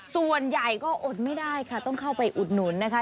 ส่วนใหญ่ก็อดไม่ได้ค่ะต้องเข้าไปอุดหนุนนะคะ